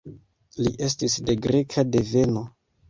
Li estis de greka deveno.